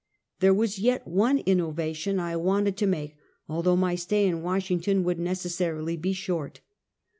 There was yet one innovation I wanted to make, al though my stay in "Washington would necessarily be short.